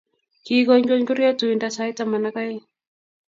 kii konykonyi kurget tuindo sait taman ak oeng'